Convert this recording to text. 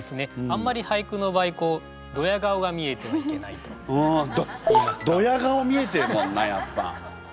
あんまり俳句の場合こうドヤ顔が見えてはいけないと。ドヤ顔見えてるもんなやっぱ。